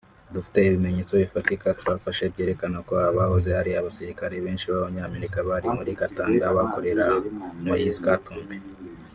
Dufite ibimenyetso bifatika twashatse byerekana ko abahoze ari abasirikare benshi b’Abanyamerika bari muri Katanga bakorera Moïse Katumbi